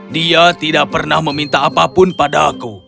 dia tidak pernah meminta apapun pada aku